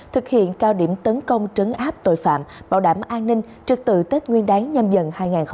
thực hiện cao điểm tấn công trấn áp tội phạm bảo đảm an ninh trực tự tết nguyên đáng nhâm dần hai nghìn hai mươi bốn